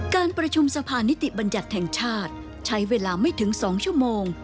การประชุมสะพานนิติบัญญัติแห่งชาติใช้เวลาไม่ถึง๒ชั่วโมง